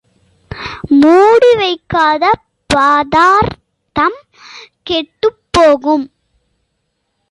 மூடிவைக்காத பதார்த்தம் கெட்டுப் போகும்.